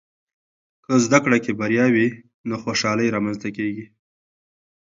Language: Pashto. که زده کړه کې بریا وي، نو خوشحالۍ رامنځته کېږي.